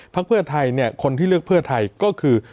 เพื่อไทยเนี่ยคนที่เลือกเพื่อไทยก็คือ